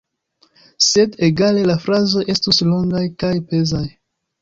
Sed egale, la frazoj estus longaj kaj pezaj.